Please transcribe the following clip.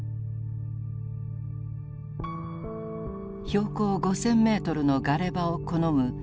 「標高五千メートルのガレ場を好む